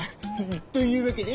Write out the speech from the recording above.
というわけで。